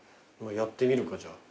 やってみるかじゃあ。